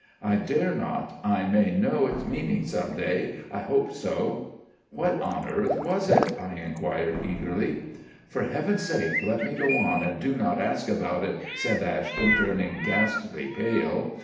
I dare not, I may know its meaning some day—I hope so—" "What on earth was it?" I inquired eagerly. "For heaven's sake let me go on and do not ask about it," said Ashton, turning ghastly pale.